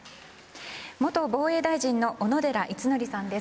元防衛大臣の小野寺五典さんです。